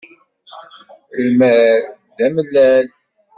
Lmal d amalal.